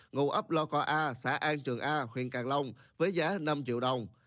ngụ ấp lo khao a xã an trường a huyện càng long với giá năm triệu đồng